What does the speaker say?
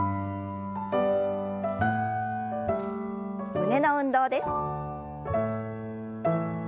胸の運動です。